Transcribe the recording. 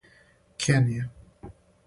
Кенија